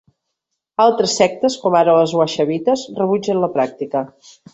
Altres sectes, com ara els wahhabistes, rebutgen la pràctica.